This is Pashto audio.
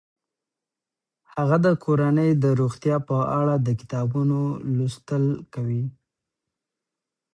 هغه د کورنۍ د روغتیا په اړه د کتابونو لوستل کوي.